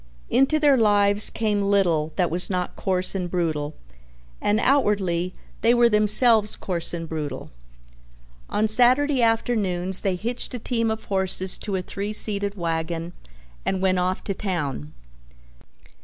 Into their lives came little that was not coarse and brutal and outwardly they were themselves coarse and brutal. On Saturday afternoons they hitched a team of horses to a three seated wagon and went off to town.